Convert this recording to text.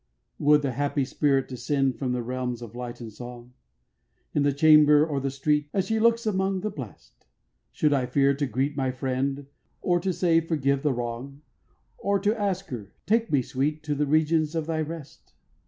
12. Would the happy spirit descend, From the realms of light and song, In the chamber or the street, As she looks among the blest, Should I fear to greet my friend Or to say 'forgive the wrong,' Or to ask her, 'take me, sweet, To the regions of thy rest?